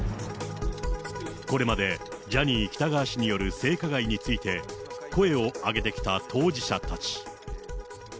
これまでジャニー喜多川氏による性加害について、声を上げてきた当事者たち。